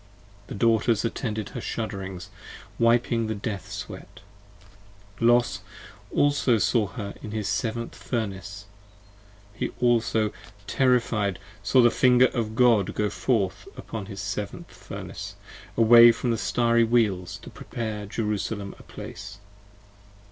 The Daughters attended her shudderings, wiping the death sweat. Los also saw her in his seventh Furnace, he also terrified 45 Saw the finger of God go forth upon his seventh Furnace, Away from the Starry Wheels to prepare Jerusalem a place.